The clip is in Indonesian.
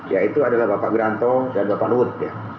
yaitu adalah bapak geranto dan bapak nud